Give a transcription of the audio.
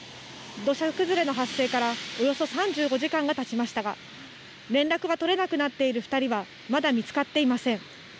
土砂崩れの発生からおよそ３５時間がたちましたが連絡が取れなくなっている２人はまだ見つかっていません。